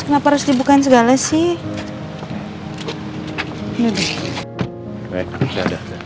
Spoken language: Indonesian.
kenapa harus dibukain segala sih